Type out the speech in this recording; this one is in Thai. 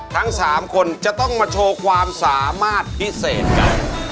ทั้ง๓คนจะต้องมาโชว์ความสามารถพิเศษกัน